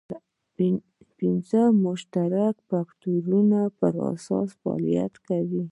پنځو مشترکو فکټورونو پر اساس فعالیت کوي.